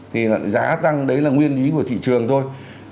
thì giá tăng đấy là nguyên lý của thị trường thôi